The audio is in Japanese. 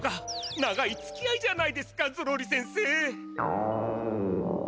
長いつきあいじゃないですかゾロリ先生。